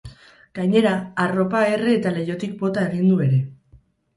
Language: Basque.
Gainera, arropa erre eta leihotik bota egin du ere.